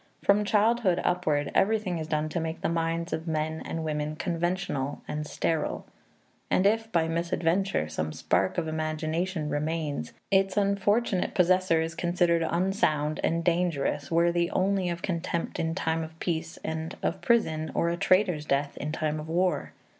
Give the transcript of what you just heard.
From childhood upward, everything is done to make the minds of men and women conventional and sterile. And if, by misadventure, some spark of imagination remains, its unfortunate possessor is considered unsound and dangerous, worthy only of contempt in time of peace and of prison or a traitor's death in time of war.